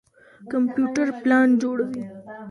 کمپيوټر پلان جوړوي.